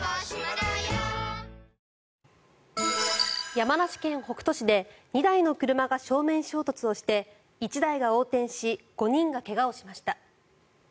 山梨県北杜市で２台の車が正面衝突をして１台が横転し５人が怪我をしました。